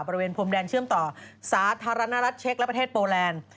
บริเวณพรมแดนเชื่อมต่อสาธารณรัฐเช็คและประเทศโปแลนด์